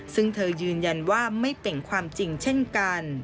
ซึ่งเธอยืนยันว่าไม่เป็นความจริงเช่นกัน